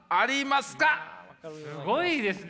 すごいですね！